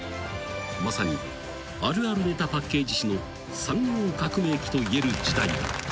［まさにあるあるネタパッケージ史の産業革命期といえる時代だった］